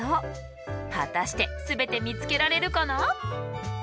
果たして全て見つけられるかな？